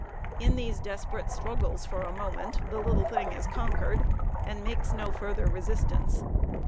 ] "In these desperate struggles for a moment, the little thing is conquered, and makes no further resistance.